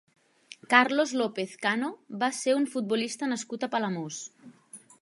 Carlos López Cano va ser un futbolista nascut a Palamós.